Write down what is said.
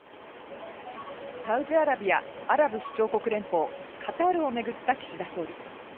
サウジアラビア、アラブ首長国連邦、カタールを巡った岸田総理。